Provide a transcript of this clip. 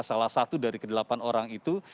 salah satu dari ke delapan orang itu